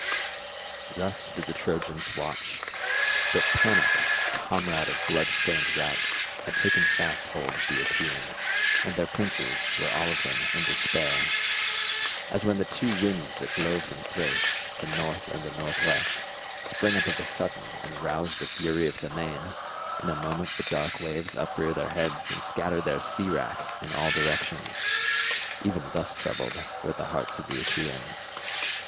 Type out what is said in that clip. Thus did the Trojans watch. But Panic, comrade of blood stained Rout, had taken fast hold of the Achaeans, and their princes were all of them in despair. As when the two winds that blow from Thrace—the north and the northwest—spring up of a sudden and rouse the fury of the main—in a moment the dark waves uprear their heads and scatter their sea wrack in all directions—even thus troubled were the hearts of the Achaeans.